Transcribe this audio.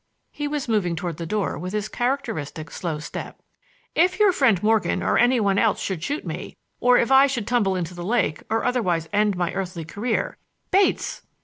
He was moving toward the door with his characteristic slow step. "If your friend Morgan, or any one else, should shoot me, or if I should tumble into the lake, or otherwise end my earthly career—Bates!"